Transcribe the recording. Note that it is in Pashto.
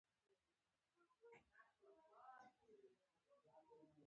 لښګرګاه ته یې د بنګړو پنډوکي بار کړي وو.